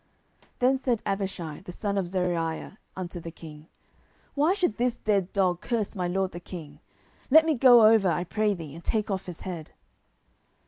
10:016:009 Then said Abishai the son of Zeruiah unto the king, Why should this dead dog curse my lord the king? let me go over, I pray thee, and take off his head.